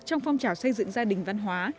trong phong trào xây dựng gia đình văn hóa